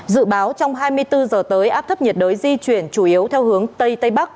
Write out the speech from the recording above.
dự báo trong hai mươi bốn giờ tới áp thấp nhiệt đới di chuyển chủ yếu theo hướng tây tây bắc